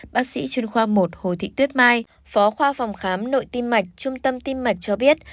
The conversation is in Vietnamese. bác sĩ chuyên khoa một hồ thị tuyết mai phó khoa phòng khám nội tim mạch trung tâm tim mạch cho biết